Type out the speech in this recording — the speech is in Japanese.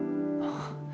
ああ